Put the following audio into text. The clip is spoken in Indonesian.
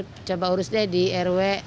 saya bawa urusnya di rw